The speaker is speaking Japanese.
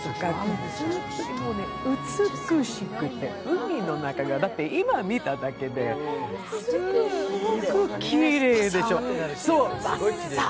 美しくて、海の中が、今見ただけで、すんごくきれいでしょ？